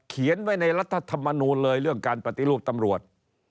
เขียนไว้ในรัฐธรรมนูลเลยเรื่องการปฏิรูปตำรวจ